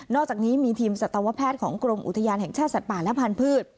อกจากนี้มีทีมสัตวแพทย์ของกรมอุทยานแห่งชาติสัตว์ป่าและพันธุ์